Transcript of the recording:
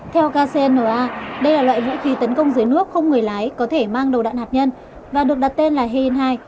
theo kcna đây là loại vũ khí tấn công dưới nước không người lái có thể mang đầu đạn hạt nhân và được đặt tên là herin hai